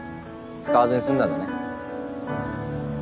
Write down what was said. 使わずに済んだんだね。